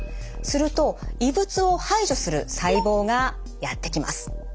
すると異物を排除する細胞がやって来ます。